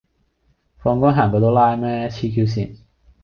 放工行過都拉咩，痴 Q 線